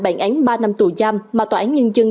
bản án ba năm tù giam mà tòa án nhân dân